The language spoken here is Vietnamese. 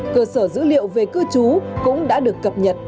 cơ sở dữ liệu về cư trú cũng đã được cập nhật